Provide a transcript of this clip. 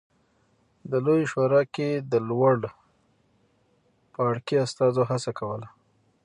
د لویې شورا کې د لوړ پاړکي استازو هڅه کوله